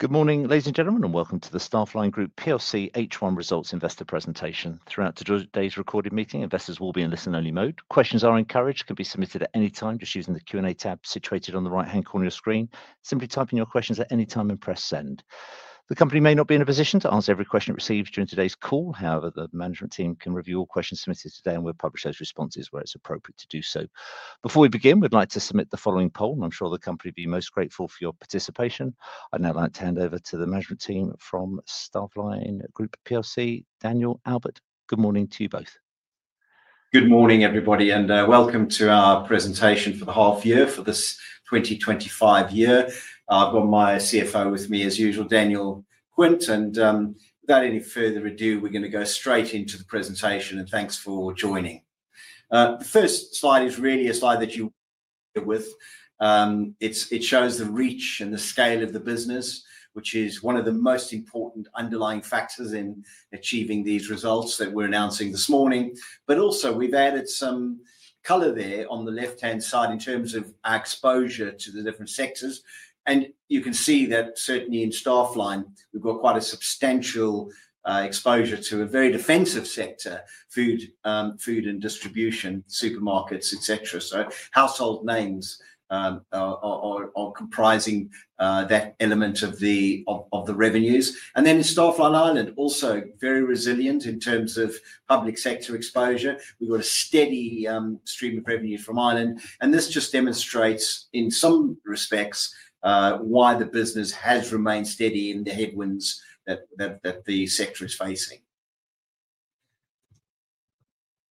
Good morning, ladies and gentlemen, and welcome to the Staffline Group PLC H1 Results Investor Presentation. Throughout today's recorded meeting, investors will be in listen-only mode. Questions are encouraged and can be submitted at any time just using the Q&A tab situated on the right-hand corner of your screen. Simply type in your questions at any time and press send. The company may not be in a position to answer every question it receives during today's call. However, the management team can review all questions submitted today and will publish those responses where it's appropriate to do so. Before we begin, we'd like to submit the following poll, and I'm sure the company would be most grateful for your participation. I'd now like to hand over to the management team from Staffline Group PLC, Albert Ellis and Daniel Quint. Good morning to you both. Good morning, everybody, and welcome to our presentation for the half-year, for this 2025 year. I've got my CFO with me, as usual, Daniel Quint, and without any further ado, we're going to go straight into the presentation, and thanks for joining. The first slide is really a slide that you'll be familiar with. It shows the reach and the scale of the business, which is one of the most important underlying factors in achieving these results that we're announcing this morning. We've added some color there on the left-hand side in terms of our exposure to the different sectors, and you can see that certainly in Staffline, we've got quite a substantial exposure to a very defensive sector: food and distribution, supermarkets, etc. Household names are comprising that element of the revenues. In Staffline Ireland, also very resilient in terms of public sector exposure, we've got a steady stream of revenue from Ireland, and this just demonstrates, in some respects, why the business has remained steady in the headwinds that the sector is facing.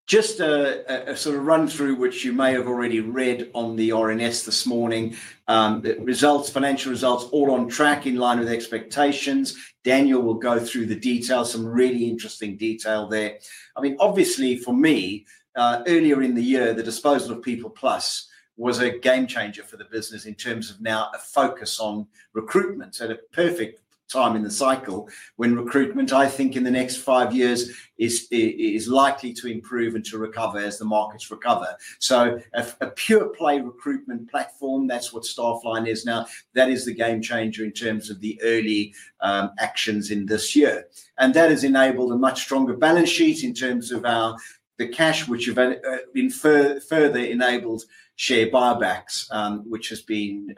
Just a sort of run-through, which you may have already read on the RNS this morning, the financial results are all on track, in line with expectations. Daniel will go through the details, some really interesting detail there. For me, earlier in the year, the disposal of PeoplePlus was a game changer for the business in terms of now a focus on recruitment at a perfect time in the cycle when recruitment, I think, in the next five years is likely to improve and to recover as the markets recover. A pure-play recruitment platform, that's what Staffline is now. That is the game changer in terms of the early actions in this year, and that has enabled a much stronger balance sheet in terms of the cash, which have further enabled share buybacks, which has been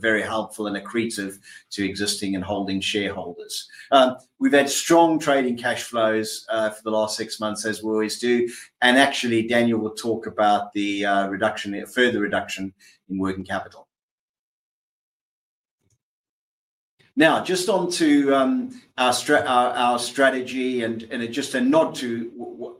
very helpful and accretive to existing and holding shareholders. We've had strong trading cash flows for the last six months, as we always do, and Daniel will talk about the further reduction in working capital. Now, just onto our strategy and just a nod to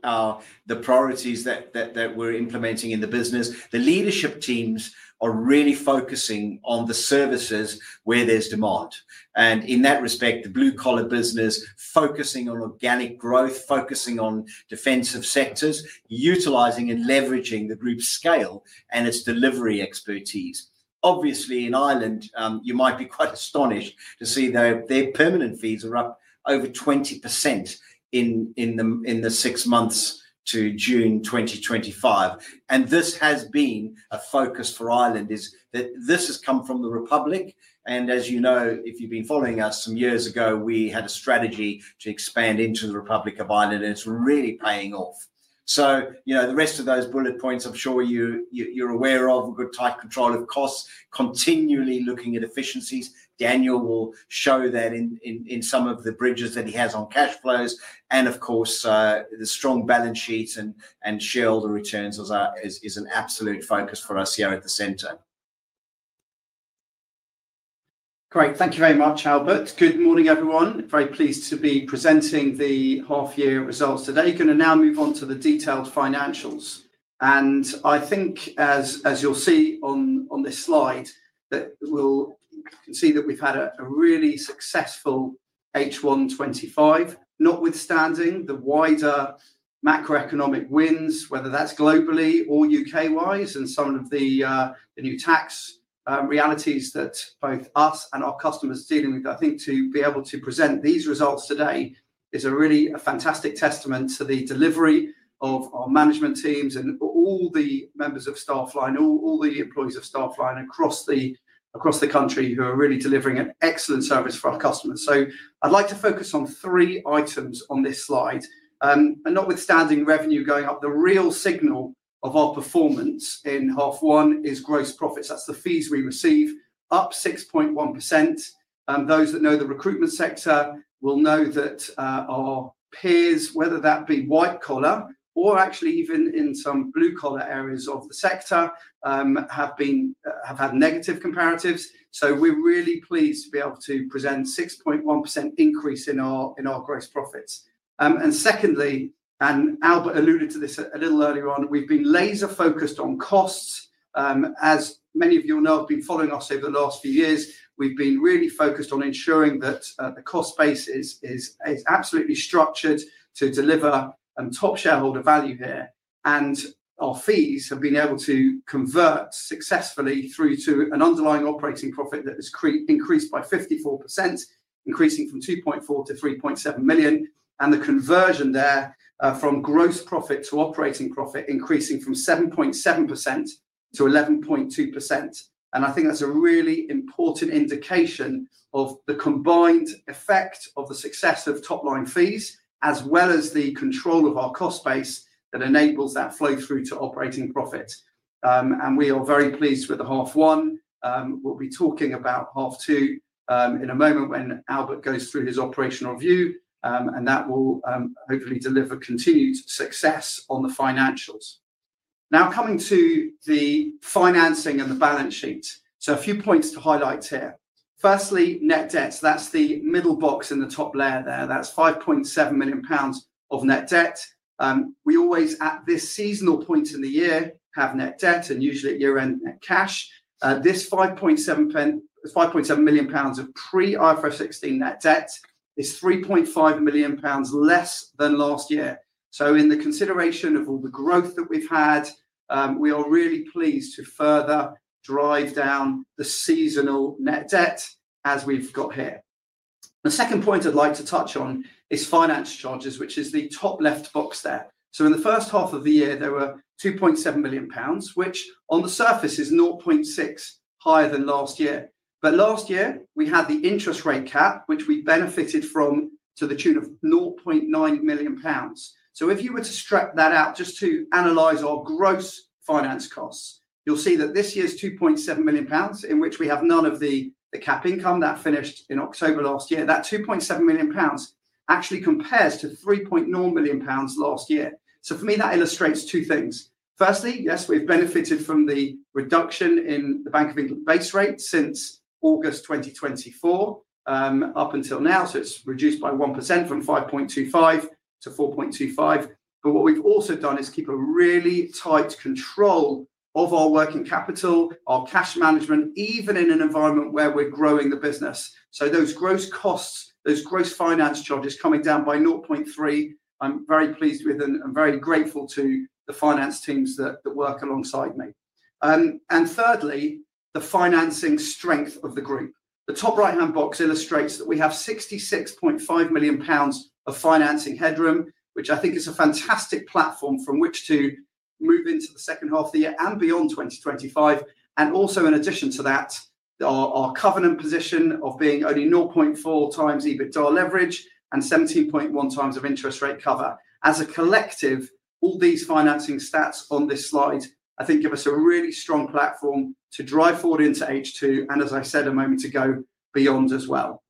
the priorities that we're implementing in the business, the leadership teams are really focusing on the services where there's demand, and in that respect, the blue-collar business is focusing on organic growth, focusing on defensive sectors, utilizing and leveraging the group's scale and its delivery expertise. Obviously, in Ireland, you might be quite astonished to see their permanent fees are up over 20% in the six months to June 2025, and this has been a focus for Ireland. This has come from the Republic, and as you know, if you've been following us from years ago, we had a strategy to expand into the Republic of Ireland, and it's really paying off. The rest of those bullet points, I'm sure you're aware of, good tight control of costs, continually looking at efficiencies. Daniel will show that in some of the bridges that he has on cash flows, and of course, the strong balance sheet and shareholder returns is an absolute focus for us here at the centre. Great, thank you very much, Albert. Good morning, everyone. Very pleased to be presenting the half-year results today. Going to now move on to the detailed financials, and I think, as you'll see on this slide, we'll see that we've had a really successful H1 2025, notwithstanding the wider macroeconomic winds, whether that's globally or UK-wise, and some of the new tax realities that both us and our customers are dealing with. I think to be able to present these results today is really a fantastic testament to the delivery of our management teams and all the members of Staffline, all the employees of Staffline across the country, who are really delivering an excellent service for our customers. I'd like to focus on three items on this slide, and notwithstanding revenue going up, the real signal of our performance in half one is gross profits. That's the fees we receive, up 6.1%. Those that know the recruitment sector will know that our peers, whether that be white-collar or actually even in some blue-collar areas of the sector, have had negative comparatives. We're really pleased to be able to present a 6.1% increase in our gross profits. Secondly, and Albert alluded to this a little earlier on, we've been laser-focused on costs. As many of you will know, who've been following us over the last few years, we've been really focused on ensuring that the cost base is absolutely structured to deliver top shareholder value here, and our fees have been able to convert successfully through to an underlying operating profit that has increased by 54%, increasing from £2.4 million-£3.7 million. The conversion there from gross profit to operating profit increasing from 7.7%-11.2%, and I think that's a really important indication of the combined effect of the success of top-line fees, as well as the control of our cost base that enables that flow through to operating profit. We are very pleased with the half one. We'll be talking about half two in a moment when Albert goes through his operational review, and that will hopefully deliver continued success on the financials. Now, coming to the financing and the balance sheet, a few points to highlight here. Firstly, net debt, that's the middle box in the top layer there, that's £5.7 million of net debt. We always, at this seasonal point in the year, have net debt, and usually at year-end, net cash. This £5.7 million of pre-IFRS 16 net debt is £3.5 million less than last year. In the consideration of all the growth that we've had, we are really pleased to further drive down the seasonal net debt as we've got here. The second point I'd like to touch on is finance charges, which is the top left box there. In the first half of the year, there were £2.7 million, which on the surface is £0.6 million higher than last year, but last year we had the interest rate cap, which we benefited from to the tune of £0.9 million. If you were to stretch that out just to analyze our gross finance costs, you'll see that this year's £2.7 million, in which we have none of the cap income that finished in October last year, that £2.7 million actually compares to £3.9 million last year. For me, that illustrates two things. Firstly, yes, we've benefited from the reduction in the Bank of England base rate since August 2024, up until now, so it's reduced by 1% from 5.25%-4.25%. What we've also done is keep a really tight control of our working capital, our cash management, even in an environment where we're growing the business. Those gross costs, those gross finance charges coming down by £0.3 million, I'm very pleased with and very grateful to the finance teams that work alongside me. Thirdly, the financing strength of the group. The top right-hand box illustrates that we have £66.5 million of financing headroom, which I think is a fantastic platform from which to move into the second half of the year and beyond 2025. In addition to that, our covenant position of being only 0.4 times EBITDA leverage and 17.1 times of interest rate cover. As a collective, all these financing stats on this slide, I think, give us a really strong platform to drive forward into H2, and as I said a moment ago, beyond as well.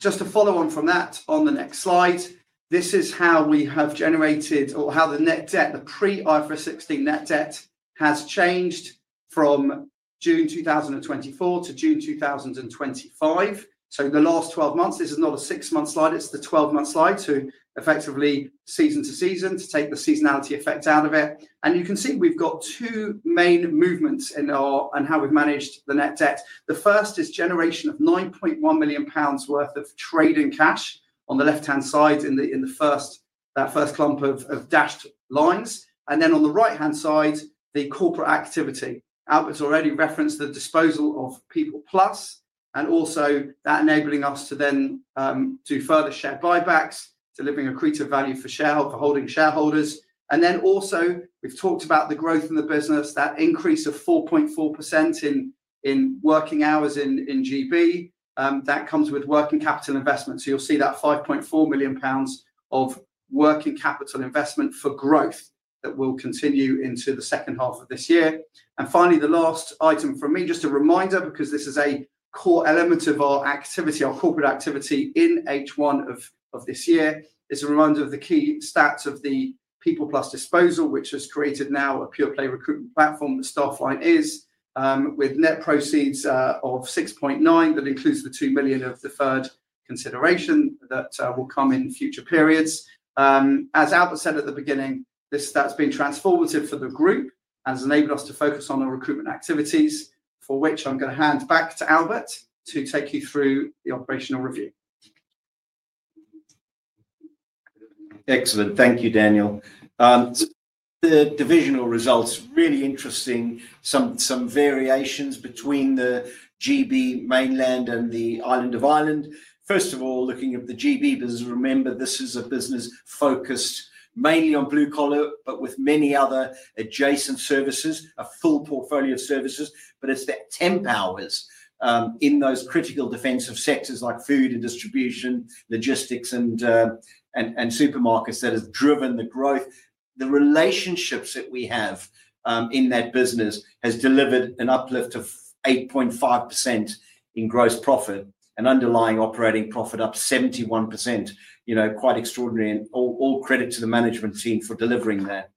Just a follow-on from that on the next slide, this is how we have generated or how the net debt, the pre-IFRS 16 net debt, has changed from June 2024 to June 2025. In the last 12 months, this is not a six-month slide, it's the 12-month slide, so effectively season to season to take the seasonality effect out of it. You can see we've got two main movements in how we've managed the net debt. The first is generation of £9.1 million worth of trade and cash on the left-hand side in the first clump of dashed lines, and then on the right-hand side, the corporate activity. Albert's already referenced the disposal of PeoplePlus, and also that enabling us to then do further share buybacks, delivering accretive value for holding shareholders. We've talked about the growth in the business, that increase of 4.4% in working hours in GB, that comes with working capital investment. You'll see that £5.4 million of working capital investment for growth that will continue into the second half of this year. Finally, the last item for me, just a reminder, because this is a core element of our activity, our corporate activity in H1 of this year, is a reminder of the key stats of the PeoplePlus disposal, which has created now a pure-play recruitment platform that Staffline is, with net proceeds of £6.9 million that includes the £2 million of the third consideration that will come in future periods. As Albert said at the beginning, these stats have been transformative for the group and have enabled us to focus on our recruitment activities, for which I'm going to hand back to Albert to take you through the operational review. Excellent, thank you, Daniel. The divisional results are really interesting, with some variations between the GB mainland and the island of Ireland. First of all, looking at the GB business, remember this is a business focused mainly on blue-collar, but with many other adjacent services, a full portfolio of services, but it's that temp hours in those critical defensive sectors like food and distribution, logistics, and supermarkets that has driven the growth. The relationships that we have in that business have delivered an uplift of 8.5% in gross profit and underlying operating profit up 71%. Quite extraordinary, and all credit to the management team for delivering that.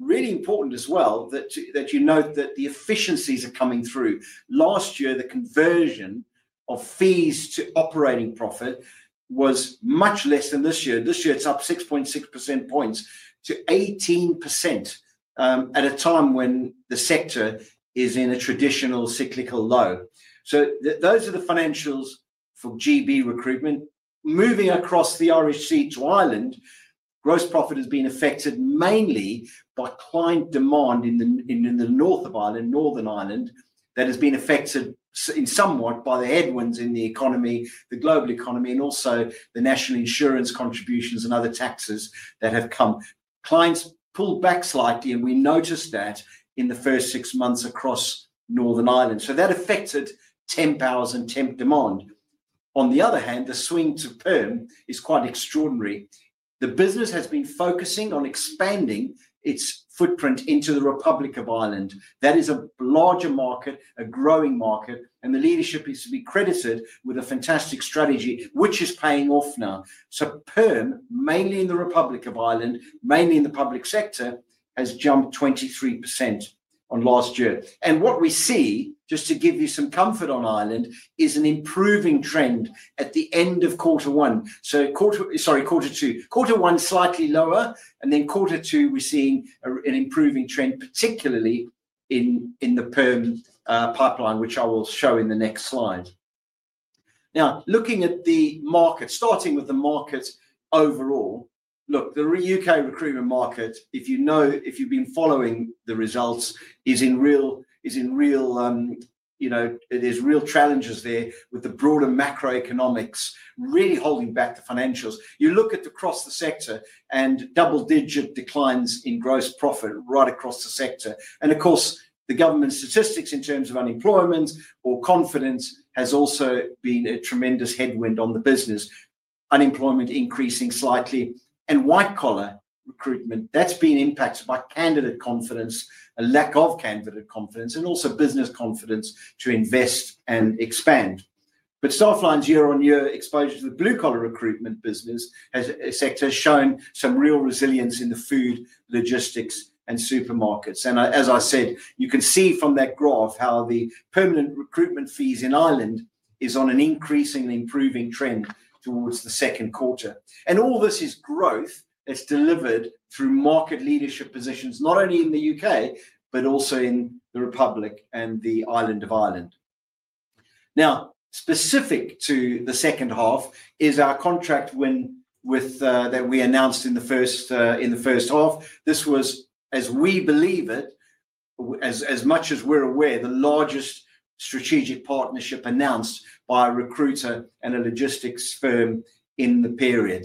Really important as well that you note that the efficiencies are coming through. Last year, the conversion of fees to operating profit was much less than this year. This year, it's up 6.6% points to 18% at a time when the sector is in a traditional cyclical low. Those are the financials from GB recruitment. Moving across the Irish Sea to Ireland, gross profit has been affected mainly by client demand in the north of Ireland, Northern Ireland, that has been affected in some way by the headwinds in the economy, the global economy, and also the national insurance contributions and other taxes that have come. Clients pulled back slightly, and we noticed that in the first six months across Northern Ireland. That affected temp hours and temp demand. On the other hand, the swing to Perth is quite extraordinary. The business has been focusing on expanding its footprint into the Republic of Ireland. That is a larger market, a growing market, and the leadership is to be credited with a fantastic strategy, which is paying off now. Perth, mainly in the Republic of Ireland, mainly in the public sector, has jumped 23% on last year. What we see, just to give you some comfort on Ireland, is an improving trend at the end of quarter two. Quarter one was slightly lower, and then quarter two, we're seeing an improving trend, particularly in the Perth pipeline, which I will show in the next slide. Now, looking at the market, starting with the market overall, the UK recruitment market, if you know, if you've been following the results, is in real, you know, there's real challenges there with the broader macroeconomics really holding back the financials. You look across the sector and double-digit declines in gross profit right across the sector. Of course, the government statistics in terms of unemployment or confidence have also been a tremendous headwind on the business. Unemployment increasing slightly, and white-collar recruitment, that's been impacted by candidate confidence, a lack of candidate confidence, and also business confidence to invest and expand. Staffline's year-on-year exposure to the blue-collar recruitment business has shown some real resilience in the food, logistics, and supermarkets. As I said, you can see from that graph how the permanent recruitment fees in Ireland are on an increasingly improving trend towards the second quarter. All this is growth that's delivered through market leadership positions, not only in the UK, but also in the Republic and the island of Ireland. Specific to the second half is our contract win that we announced in the first half. This was, as we believe it, as much as we're aware, the largest strategic partnership announced by a recruiter and a logistics firm in the period.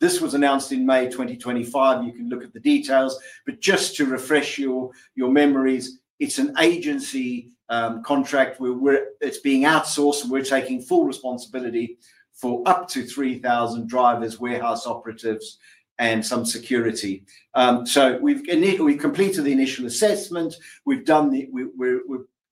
This was announced in May 2025. You can look at the details, but just to refresh your memories, it's an agency contract where it's being outsourced, and we're taking full responsibility for up to 3,000 drivers, warehouse operatives, and some security. We've completed the initial assessment. We're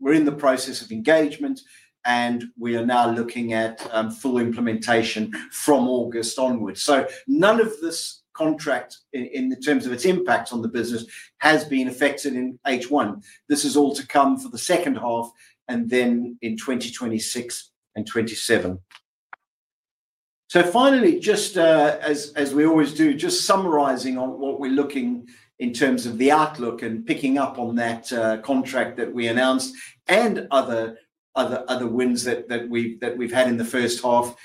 in the process of engagement, and we are now looking at full implementation from August onwards. None of this contract, in terms of its impact on the business, has been affected in H1. This is all to come for the second half and then in 2026 and 2027. Finally, just as we always do, just summarizing on what we're looking in terms of the outlook and picking up on that contract that we announced and other wins that we've had in the first half,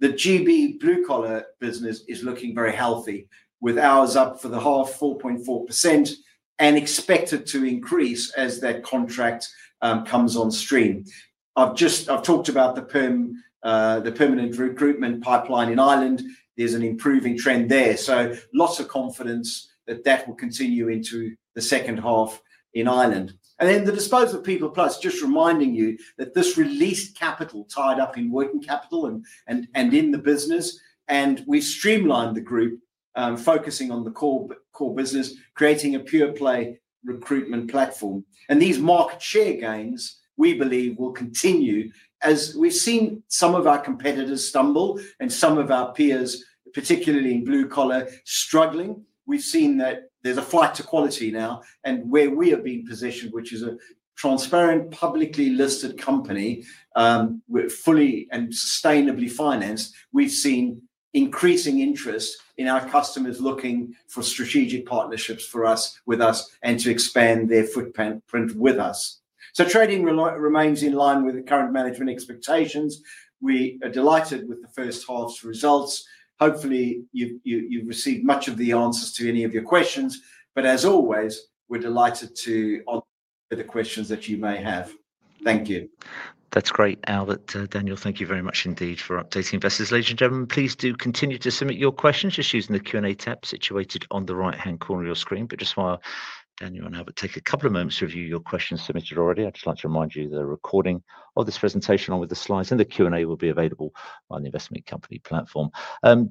the GB blue-collar business is looking very healthy, with ours up for the half, 4.4%, and expected to increase as that contract comes on stream. I've just talked about the permanent recruitment pipeline in Ireland. There's an improving trend there. Lots of confidence that that will continue into the second half in Ireland. The disposal of PeoplePlus, just reminding you that this released capital tied up in working capital and in the business, and we've streamlined the group, focusing on the core business, creating a pure-play recruitment platform. These market share gains, we believe, will continue as we've seen some of our competitors stumble and some of our peers, particularly in blue-collar, struggling. We've seen that there's a fight to quality now, and where we have been positioned, which is a transparent, publicly listed company, fully and sustainably financed, we've seen increasing interest in our customers looking for strategic partnerships with us and to expand their footprint with us. Trading remains in line with the current management expectations. We are delighted with the first half's results. Hopefully, you've received much of the answers to any of your questions, but as always, we're delighted to answer the questions that you may have. Thank you. That's great, Albert. Daniel, thank you very much indeed for updating us. Ladies and gentlemen, please do continue to submit your questions just using the Q&A tab situated on the right-hand corner of your screen. While Daniel and Albert take a couple of moments to review your questions submitted already, I'd just like to remind you that the recording of this presentation, along with the slides and the Q&A, will be available on the investment company platform.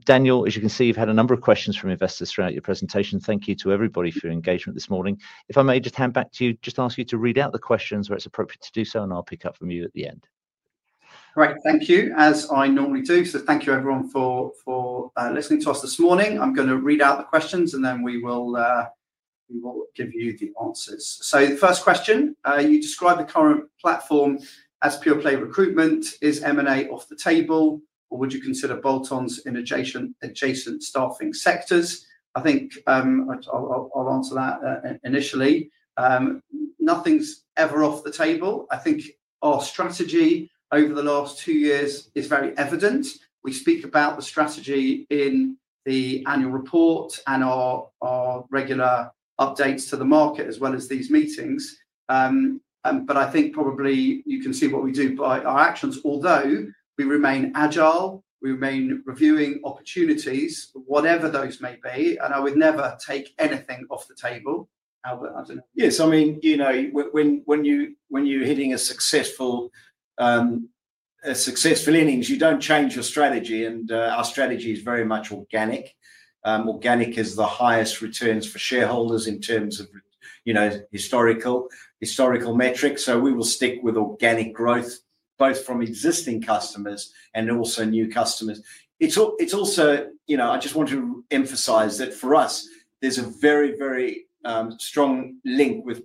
Daniel, as you can see, you've had a number of questions from investors throughout your presentation. Thank you to everybody for your engagement this morning. If I may just hand back to you, just ask you to read out the questions where it's appropriate to do so, and I'll pick up from you at the end. All right, thank you, as I normally do. Thank you, everyone, for listening to us this morning. I'm going to read out the questions, and then we will give you the answers. The first question, you describe the current platform as pure-play recruitment. Is M&A off the table, or would you consider bolt-ons in adjacent staffing sectors? I think I'll answer that initially. Nothing's ever off the table. I think our strategy over the last two years is very evident. We speak about the strategy in the annual report and our regular updates to the market, as well as these meetings. I think probably you can see what we do by our actions, although we remain agile. We remain reviewing opportunities, whatever those may be, and I would never take anything off the table. Yeah, when you're hitting a successful innings, you don't change your strategy, and our strategy is very much organic. Organic is the highest returns for shareholders in terms of historical metrics. We will stick with organic growth, both from existing customers and also new customers. I just want to emphasize that for us, there's a very, very strong link with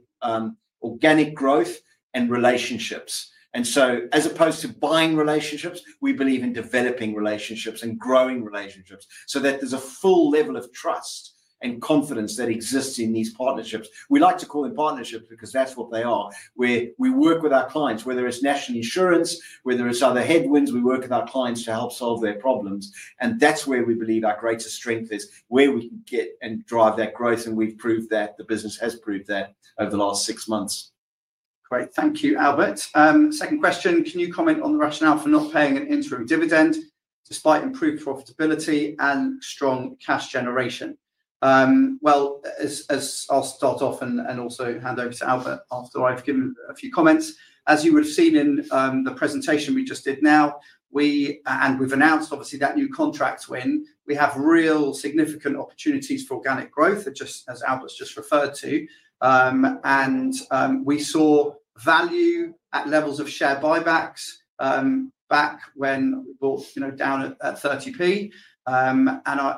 organic growth and relationships. As opposed to buying relationships, we believe in developing relationships and growing relationships so that there's a full level of trust and confidence that exists in these partnerships. We like to call them partnerships because that's what they are, where we work with our clients, whether it's national insurance, whether it's other headwinds. We work with our clients to help solve their problems, and that's where we believe our greatest strength is, where we can get and drive that growth, and we've proved that, the business has proved that over the last six months. Great, thank you, Albert. Second question, can you comment on the rationale for not paying an interim dividend despite improved profitability and strong cash generation? I'll start off and also hand over to Albert after I've given a few comments. As you would have seen in the presentation we just did now, and we've announced obviously that new contracts win, we have real significant opportunities for organic growth, as Albert's just referred to. We saw value at levels of share buybacks back when we were down at £0.30.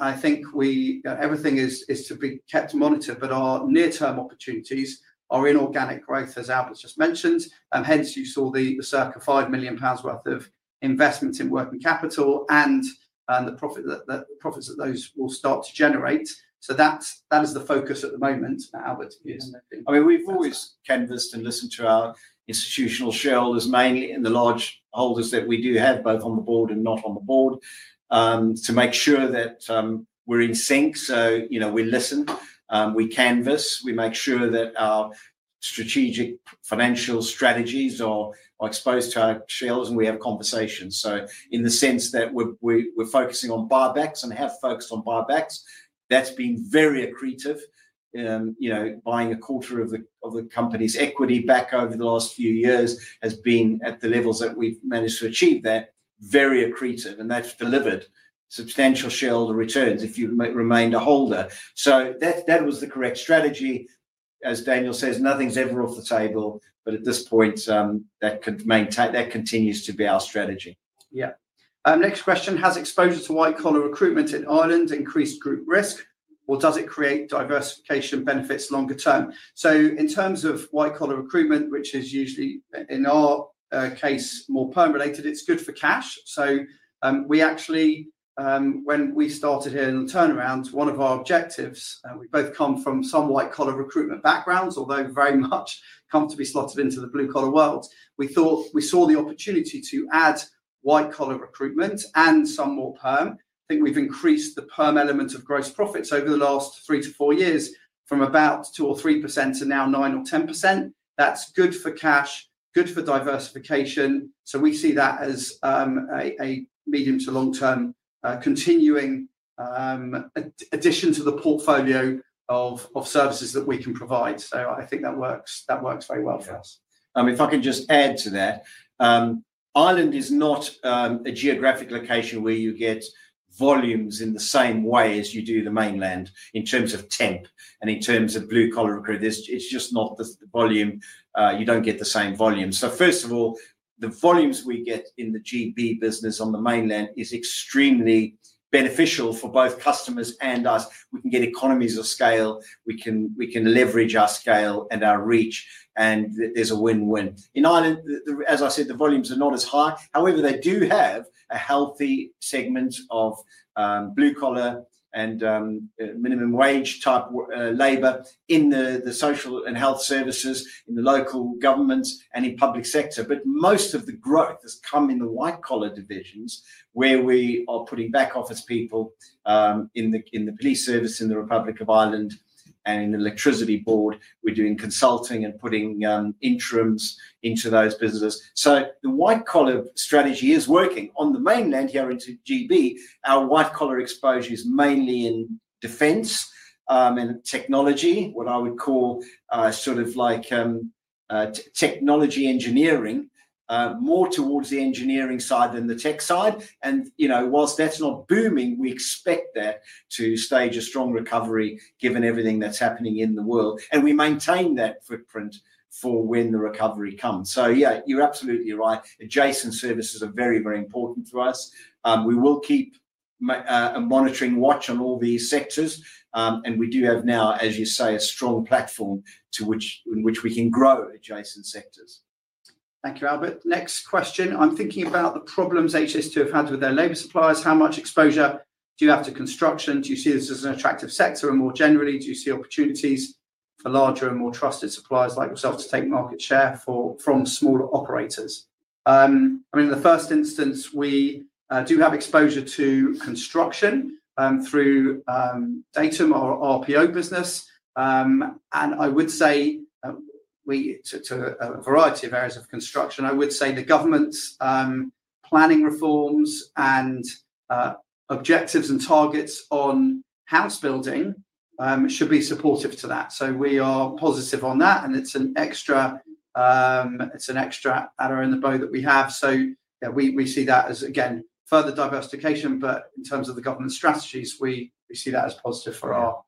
I think everything is to be kept monitored, but our near-term opportunities are in organic growth, as Albert's just mentioned. Hence, you saw the circa £5 million worth of investment in working capital and the profits that those will start to generate. That is the focus at the moment, Albert. We've always canvassed and listened to our institutional shareholders, mainly in the large holders that we do have, both on the board and not on the board, to make sure that we're in sync. We listen, we canvass, we make sure that our strategic financial strategies are exposed to our shareholders, and we have conversations. In the sense that we're focusing on buybacks and have focused on buybacks, that's been very accretive. Buying a quarter of the company's equity back over the last few years has been at the levels that we've managed to achieve that, very accretive, and that's delivered substantial shareholder returns if you've remained a holder. That was the correct strategy. As Daniel says, nothing's ever off the table, but at this point, that continues to be our strategy. Next question, has exposure to white-collar recruitment in Ireland increased group risk, or does it create diversification benefits longer term? In terms of white-collar recruitment, which is usually, in our case, more permanent related, it's good for cash. When we started here in the turnaround, one of our objectives, we both come from some white-collar recruitment backgrounds, although very much come to be slotted into the blue-collar world, we thought we saw the opportunity to add white-collar recruitment and some more perm. I think we've increased the perm element of gross profits over the last three to four years from about 2% or 3% to now 9% or 10%. That's good for cash, good for diversification. We see that as a medium to long-term continuing addition to the portfolio of services that we can provide. I think that works very well for us. If I can just add to that, Ireland is not a geographic location where you get volumes in the same way as you do the mainland in terms of temp and in terms of blue-collar recruitment. It's just not the volume. You don't get the same volume. First of all, the volumes we get in the GB business on the mainland are extremely beneficial for both customers and us. We can get economies of scale. We can leverage our scale and our reach, and there's a win-win. In Ireland, as I said, the volumes are not as high. However, they do have a healthy segment of blue-collar and minimum wage type labor in the social and health services, in the local governments, and in public sector. But most of the growth has come in the white-collar divisions where we are putting back office people in the police service in the Republic of Ireland and in the electricity board. We're doing consulting and putting interims into those businesses. The white-collar strategy is working. On the mainland here in GB, our white-collar exposure is mainly in defense and technology, what I would call sort of like technology engineering, more towards the engineering side than the tech side. You know, whilst that's not booming, we expect that to stage a strong recovery given everything that's happening in the world. We maintain that footprint for when the recovery comes. Yeah, you're absolutely right. Adjacent services are very, very important to us. We will keep a monitoring watch on all these sectors, and we do have now, as you say, a strong platform in which we can grow adjacent sectors. Thank you, Albert. Next question, I'm thinking about the problems HS2 have had with their labor suppliers. How much exposure do you have to construction? Do you see this as an attractive sector, or more generally, do you see opportunities for larger and more trusted suppliers like yourself to take market share from smaller operators? In the first instance, we do have exposure to construction through Datum RPO business. I would say, to a variety of areas of construction, the government's planning reforms and objectives and targets on house building should be supportive to that. We are positive on that, and it's an extra at our own bow that we have. We see that as, again, further diversification, but in terms of the government strategies, we see that as positive for our...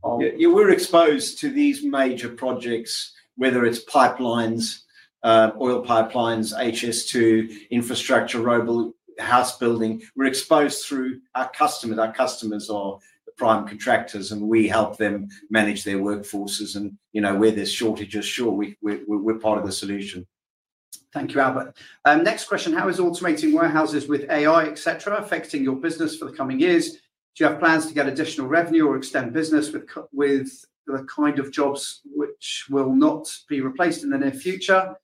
We're exposed to these major projects, whether it's pipelines, oil pipelines, HS2 infrastructure, robust house building. We're exposed through our customers. Our customers are prime contractors, and we help them manage their workforces. Where there's shortages, sure, we're part of the solution. Thank you, Albert. Next question, how is automating warehouses with AI, etc., affecting your business for the coming years? Do you have plans to get additional revenue or extend business with the kind of jobs which will not be replaced in the near future,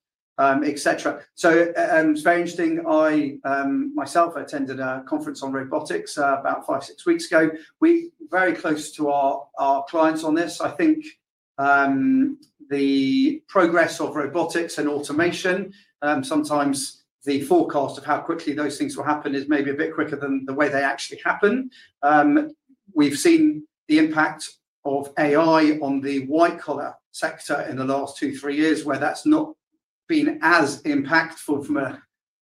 etc.? It's very interesting. I myself attended a conference on robotics about five or six weeks ago. We're very close to our clients on this. I think the progress of robotics and automation, sometimes the forecast of how quickly those things will happen, is maybe a bit quicker than the way they actually happen. We've seen the impact of AI on the white-collar sector in the last two or three years, where that's not been as impactful from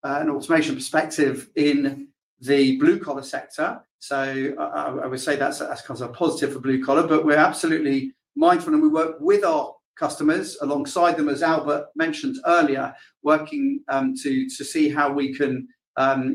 an automation perspective in the blue-collar sector. So I would say that's a positive for blue-collar, but we're absolutely mindful, and we work with our customers alongside them, as Albert mentioned earlier, working to see how we can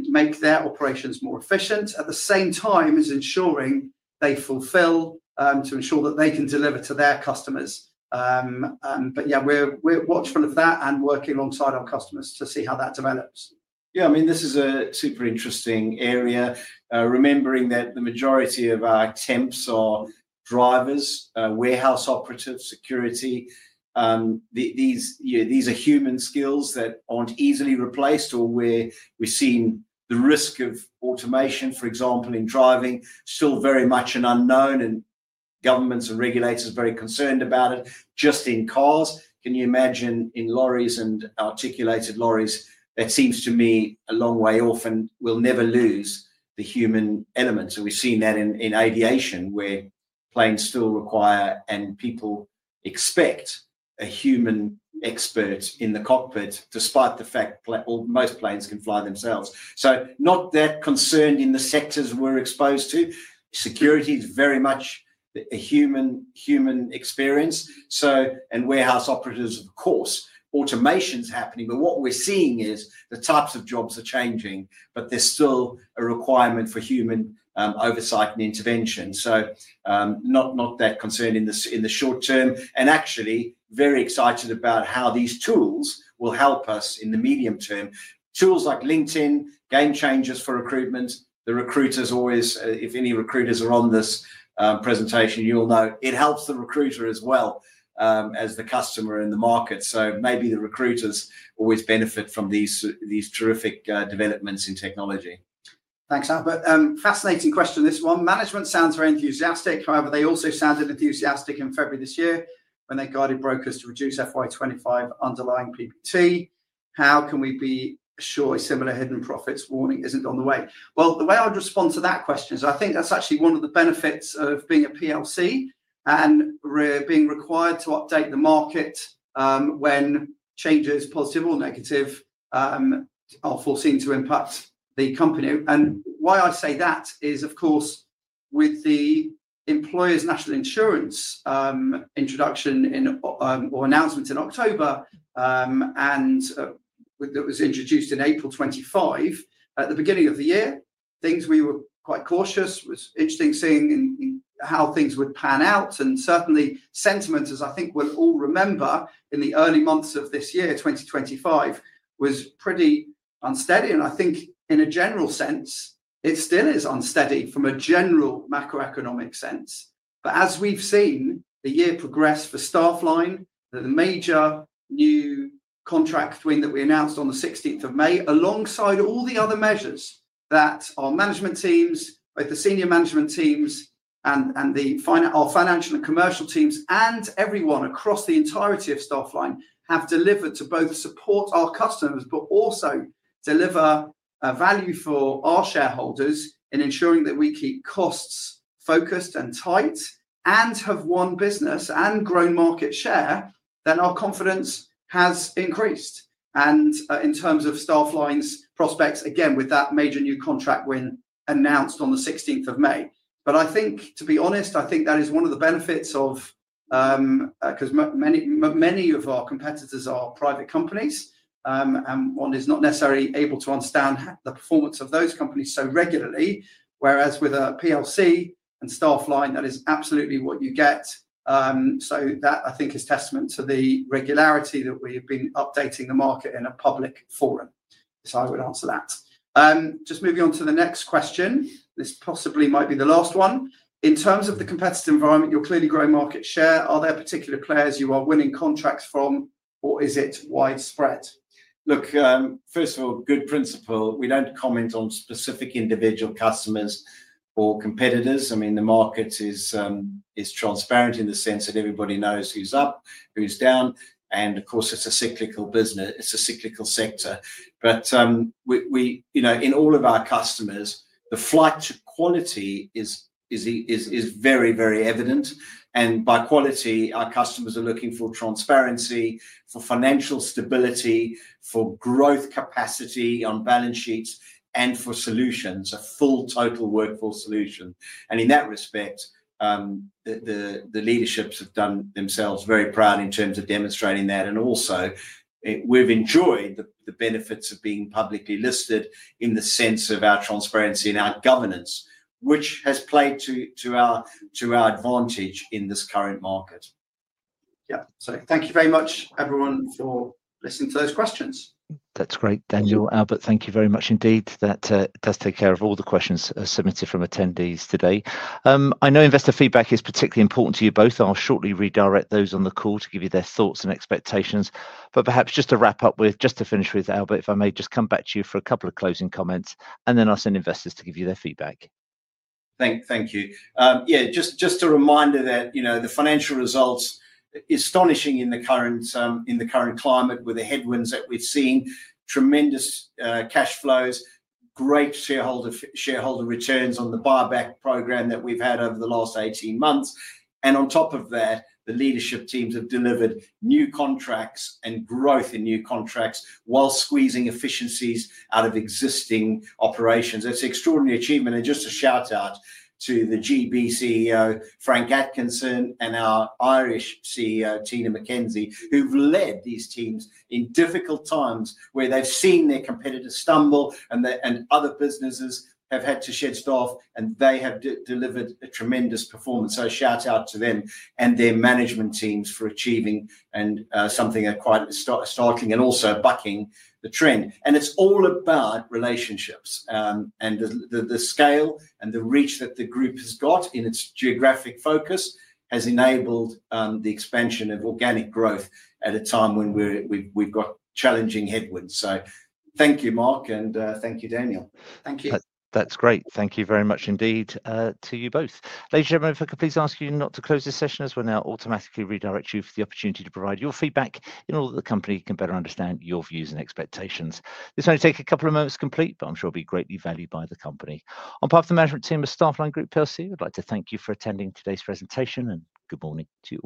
make their operations more efficient at the same time as ensuring they fulfill to ensure that they can deliver to their customers. We're watchful of that and working alongside our customers to see how that develops. Yeah, I mean, this is a super interesting area, remembering that the majority of our temps are drivers, warehouse operatives, security. These are human skills that aren't easily replaced, or where we're seeing the risk of automation, for example, in driving, still very much an unknown, and governments and regulators are very concerned about it. Just in cars, can you imagine in lorries and articulated lorries? That seems to me a long way off, and we'll never lose the human element. We've seen that in aviation, where planes still require, and people expect a human expert in the cockpit, despite the fact that most planes can fly themselves. I'm not that concerned in the sectors we're exposed to. Security is very much a human experience, and warehouse operatives, of course, automation is happening, but what we're seeing is the types of jobs are changing, but there's still a requirement for human oversight and intervention. I'm not that concerned in the short term, and actually very excited about how these tools will help us in the medium term. Tools like LinkedIn, game changers for recruitment. The recruiters always, if any recruiters are on this presentation, you'll know it helps the recruiter as well as the customer in the market. Maybe the recruiters always benefit from these terrific developments in technology. Thanks, Albert. Fascinating question, this one. Management sounds very enthusiastic; however, they also sounded enthusiastic in February this year when they guided brokers to reduce FY25 underlying PPT. How can we be sure a similar hidden profits warning isn't on the way? I think that's actually one of the benefits of being a PLC and being required to update the market when changes, positive or negative, are foreseen to impact the company. The employer's National Insurance introduction or announcement in October, and that was introduced in April 2025 at the beginning of the year, things we were quite cautious. It was interesting seeing how things would pan out, and certainly sentiment, as I think we'll all remember, in the early months of this year, 2025, was pretty unsteady. I think in a general sense, it still is unsteady from a general macroeconomic sense. As we've seen the year progress for Staffline, the major new contract win that we announced on the 16th of May, alongside all the other measures that our management teams, both the Senior Management Teams and our financial and commercial teams, and everyone across the entirety of Staffline have delivered to both support our customers, but also deliver value for our shareholders in ensuring that we keep costs focused and tight and have won business and grown market share, then our confidence has increased. In terms of Staffline's prospects, again, with that major new contract win announced on the 16th of May. I think that is one of the benefits of, because many of our competitors are private companies, and one is not necessarily able to understand the performance of those companies so regularly, whereas with a PLC and Staffline, that is absolutely what you get. That is a testament to the regularity that we have been updating the market in a public forum, if I would answer that. Just moving on to the next question, this possibly might be the last one. In terms of the competitive environment, you're clearly growing market share. Are there particular players you are winning contracts from, or is it widespread? First of all, good principle. We don't comment on specific individual customers or competitors. I mean, the market is transparent in the sense that everybody knows who's up, who's down, and of course, it's a cyclical business. It's a cyclical sector. In all of our customers, the flight to quality is very, very evident. By quality, our customers are looking for transparency, for financial stability, for growth capacity on balance sheets, and for solutions, a full total workforce solution. In that respect, the leaderships have done themselves very proud in terms of demonstrating that. Also, we've enjoyed the benefits of being publicly listed in the sense of our transparency and our governance, which has played to our advantage in this current market. Thank you very much, everyone, for listening to those questions. That's great, Daniel, Albert. Thank you very much indeed. That does take care of all the questions submitted from attendees today. I know investor feedback is particularly important to you both. I'll shortly redirect those on the call to give you their thoughts and expectations. Perhaps just to wrap up, just to finish with, Albert, if I may just come back to you for a couple of closing comments, and then I'll send investors to give you their feedback. Thank you. Just a reminder that the financial results are astonishing in the current climate with the headwinds that we've seen, tremendous cash flows, great shareholder returns on the buyback program that we've had over the last 18 months. On top of that, the leadership teams have delivered new contracts and growth in new contracts while squeezing efficiencies out of existing operations. That's an extraordinary achievement. A shout out to the GB CEO, Frank Atkinson, and our Irish CEO, Tina McKenzie, who've led these teams in difficult times where they've seen their competitors stumble and other businesses have had to shed staff, and they have delivered a tremendous performance. A shout out to them and their management teams for achieving something quite striking and also bucking the trend. It's all about relationships, and the scale and the reach that the group has got in its geographic focus has enabled the expansion of organic growth at a time when we've got challenging headwinds. Thank you, Mark, and thank you, Daniel. Thank you. That's great. Thank you very much indeed to you both. Ladies and gentlemen, if I could please ask you not to close this session, as we'll now automatically redirect you for the opportunity to provide your feedback in order that the company can better understand your views and expectations. This may take a couple of moments to complete, but I'm sure it'll be greatly valued by the company. On behalf of the management team of Staffline Group PLC, we'd like to thank you for attending today's presentation, and good morning to you.